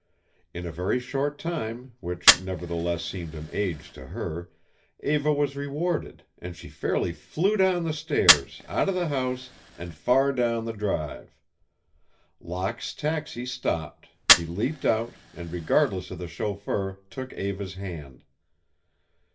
In a very short time, which, nevertheless, seemed an age to her, Eva was rewarded, and she fairly flew down the stairs, out of the house, and far down the drive. Locke's taxi stopped, he leaped out, and, regardless of the chauffeur, took Eva's hand.